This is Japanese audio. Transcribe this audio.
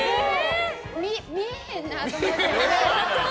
見えへんなと思って。